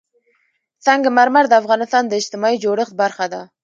سنگ مرمر د افغانستان د اجتماعي جوړښت برخه ده.